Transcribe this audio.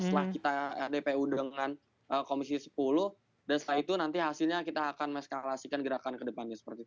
setelah kita dpu dengan komisi sepuluh dan setelah itu nanti hasilnya kita akan meskalahasikan gerakan ke depannya